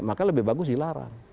maka lebih bagus dilarang